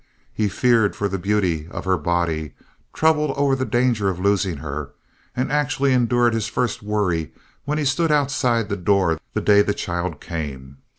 He feared for the beauty of her body—troubled over the danger of losing her; and he actually endured his first worry when he stood outside the door the day the child came.